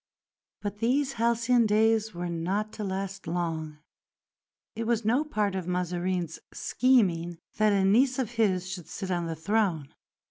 But these halcyon days were not to last long. It was no part of Mazarin's scheming that a niece of his should sit on the throne.